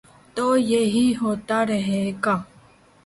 تو یہی ہو تا رہے گا۔